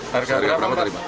harga berapa tadi mbak